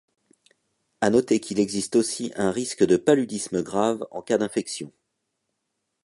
À noter qu'il existe aussi un risque de paludisme grave en cas d'infection.